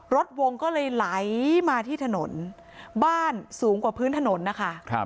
ดวงก็เลยไหลมาที่ถนนบ้านสูงกว่าพื้นถนนนะคะ